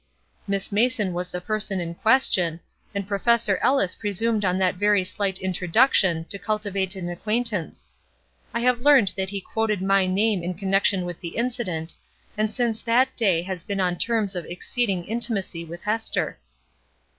Miss Mason was the person in question, and Professor Ellis presumed on that very slight introduction to cultivate an acquaintance. I have learned that he quoted my name in connection with the incident, and since that day has been on terms of exceeding intimacy with Hester."